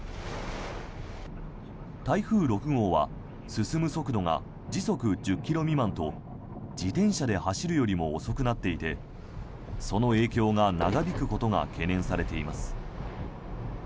台風６号は進む速度が時速１０ｋｍ未満と自転車で走るよりも遅くなっていてその影響が長引くことが懸念されています。